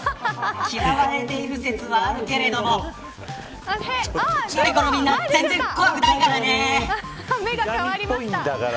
嫌われている説はあるけれどもよい子のみんな全然怖くないからね。